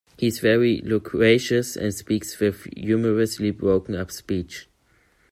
He is very loquacious and speaks with humorously broken up speech.